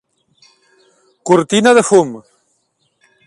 Cortina de fum.